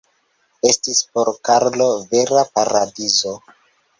Estis por Karlo vera paradizo.